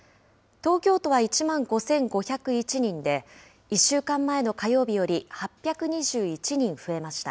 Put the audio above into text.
東京都は１万５５０１人で、１週間前の火曜日より８２１人増えました。